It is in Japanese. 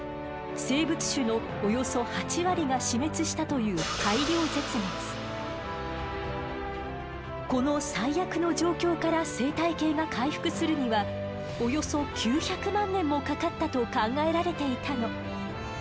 生物種のおよそ８割が死滅したというこの最悪の状況から生態系が回復するにはおよそ９００万年もかかったと考えられていたの。